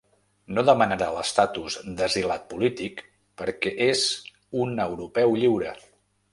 No demanarà l’estatus d’asilat polític perquè és ‘un europeu lliure’.